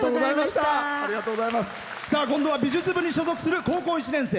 今度は美術部に所属する高校１年生。